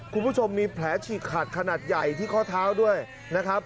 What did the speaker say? คุณผู้ชมมีแผลฉีกขาดขนาดใหญ่ที่ข้อเท้าด้วยนะครับ